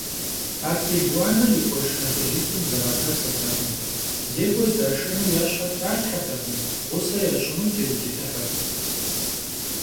А пелуаныр и къуэш нэхъыжьитӏым зэрапэсыртэкъым: зекӏуэ здашэну я щхьэ тралъхьэртэкъым, гъусэ ящӏыну теукӏытыхьырт.